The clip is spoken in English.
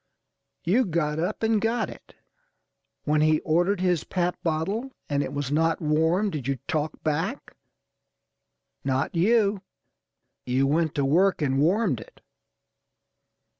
You got up and got it. When he ordered his pap bottle and it was not warm, did you talk back? Not you. You went to work and warmed it.